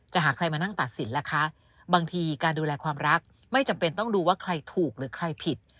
หาใครมานั่งตัดสินล่ะคะบางทีการดูแลความรักไม่จำเป็นต้องดูว่าใครถูกหรือใครผิด